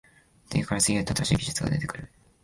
次から次へと新しい技術が出てくる